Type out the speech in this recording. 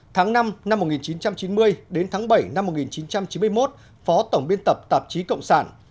tháng năm năm một nghìn chín trăm chín mươi đến tháng bảy năm một nghìn chín trăm chín mươi một phó tổng biên tập tạp chí cộng sản